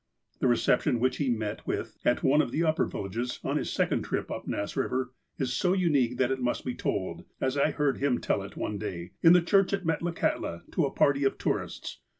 The reception which he met with at one of the upper villages, on his second trij) up Nass Eiver, is so unique, that it must be told, as I heard him tell it one day, in the church at Metlakahtla, to a party of tourists.